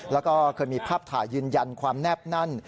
แล้วก็เคยมีภาพถ่ายยืนยันความแนบแน่น